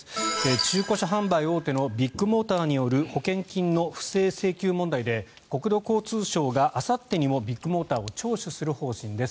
中古車販売大手のビッグモーターによる保険金の不正請求問題で国土交通省があさってにもビッグモーターを聴取する方針です。